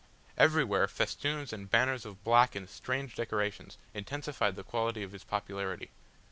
Everywhere festoons and banners of black and strange decorations, intensified the quality of his popularity.